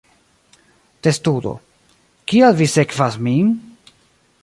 Testudo: "Kial vi sekvas min?"